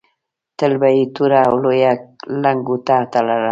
تل به یې توره او لویه لنګوټه تړله.